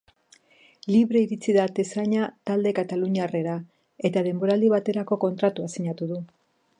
Libre iritsi da atezaina talde kataluniarrera, eta denboraldi baterako kontratua sinatu du.